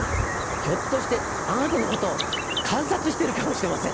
ひょっとしてあなたのことを観察してるかもしれません。